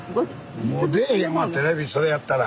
もう出えへんわテレビそれやったら。